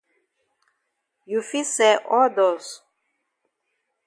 You fit sell all dust.